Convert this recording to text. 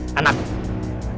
aku mau nantang perkembangan dewa